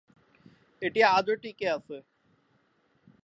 এটি আজও টিকে আছে।